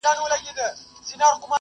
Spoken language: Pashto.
هغوی پخوا له لویو ننګونو سره مخامخ سول.